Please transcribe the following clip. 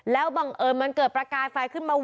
แล้วบังเอิญมันเกิดประกายไฟขึ้นมา